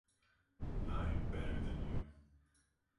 I am better than you.